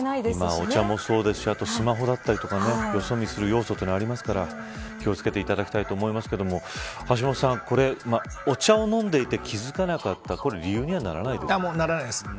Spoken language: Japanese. お茶もそうですしスマホだったりとかよそ見する要素はありますから気を付けていただきたいと思いますけども橋下さん、これお茶を飲んでいて気付かなかったこれ、理由にはならないです。